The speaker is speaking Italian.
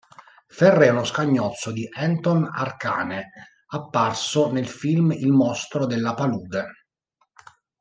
Ferret è uno scagnozzo di Anton Arcane, apparso nel film "Il mostro della palude".